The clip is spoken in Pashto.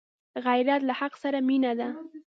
غیرت له حق سره مینه ده